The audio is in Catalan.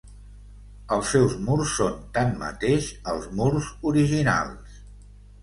Els seus murs són tanmateix els murs originals.